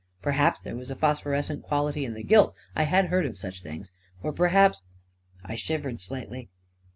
Perhaps there was a phosphorescent quality in the gilt — I had heard of such things; or perhaps ... I shivered slightly.